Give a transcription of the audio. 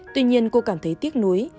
tuy nhiên cô cảm thấy tiếc nuối